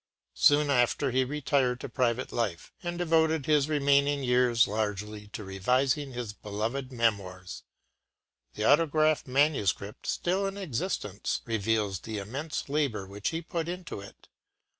Soon after, he retired to private life, and devoted his remaining years largely to revising his beloved “Memoirs.” The autograph manuscript, still in existence, reveals the immense labour which he put into it.